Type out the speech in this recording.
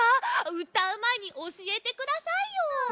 うたうまえにおしえてくださいよ！